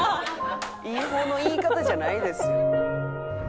いい方の言い方じゃないですよ」